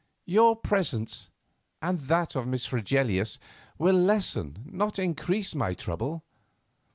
Your presence and that of Miss Fregelius will lessen, not increase, my trouble.